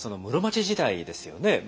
室町時代ですよね